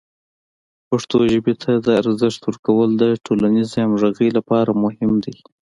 پښتو ژبې ته د ارزښت ورکول د ټولنیزې همغږۍ لپاره مهم دی.